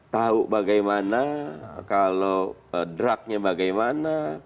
tahu bagaimana kalau drugnya bagaimana